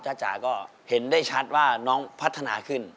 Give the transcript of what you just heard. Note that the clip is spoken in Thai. จ๋าก็เห็นได้ชัดว่าน้องพัฒนาขึ้น